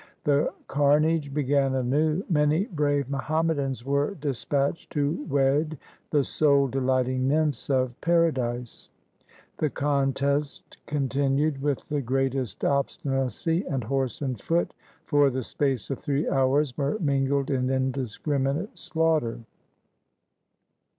The carnage began anew. Many brave Muhammadans were dis patched to wed the soul delighting nymphs of paradise. The contest continued with the greatest obstinacy, and horse and foot for the space of three hours were mingled in indiscriminate slaughter.